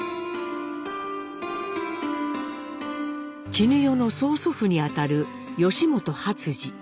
絹代の曽祖父にあたる本初次。